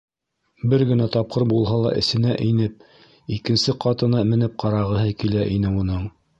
Бер генә тапҡыр булһа ла эсенә инеп, икенсе ҡатына менеп ҡарағыһы килә ине уның...